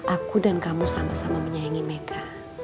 aku dan kamu sama sama menyayangi mereka